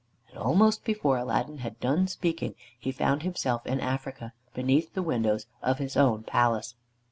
And almost before Aladdin had done speaking he found himself in Africa, beneath the windows of his own palace.